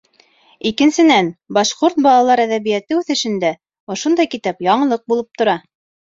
Икенсенән, башҡорт балалар әҙәбиәте үҫешендә ошондай китап яңылыҡ булып тора.